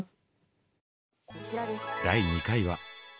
第２回は。